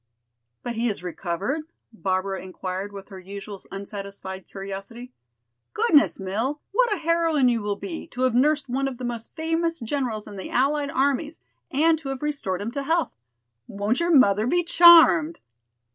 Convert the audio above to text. "But he has recovered?" Barbara inquired with her usual unsatisfied curiosity. "Goodness, Mill, what a heroine you will be, to have nursed one of the most famous generals in the Allied armies and to have restored him to health. Won't your mother be charmed!"